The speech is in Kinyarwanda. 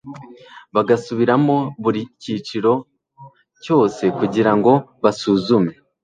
bagasubiramo buri cyiciro cyose kugira ngo basuzume